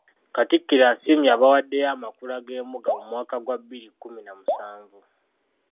Katikkiro asiimye abawaddeyo amakula g’embuga mu mwaka gwa bbiri kkumi na musanvu.